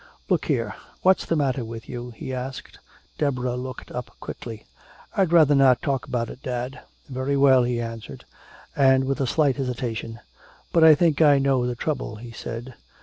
"Look here. What's the matter with you?" he asked. Deborah looked up quickly. "I'd rather not talk about it, dad " "Very well," he answered. And with a slight hesitation, "But I think I know the trouble," he said.